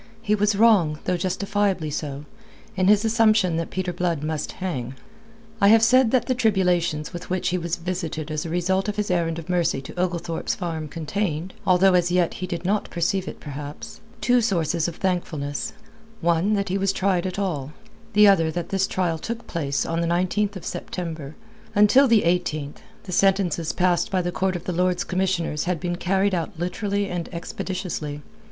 He was wrong though justifiably so in his assumption that Peter Blood must hang. I have said that the tribulations with which he was visited as a result of his errand of mercy to Oglethorpe's Farm contained although as yet he did not perceive it, perhaps two sources of thankfulness: one that he was tried at all; the other that his trial took place on the 19th of September. Until the 18th, the sentences passed by the court of the Lords Commissioners had been carried out literally and expeditiously.